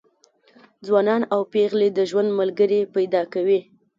ځوانان او پېغلې د ژوند ملګري پیدا کوي.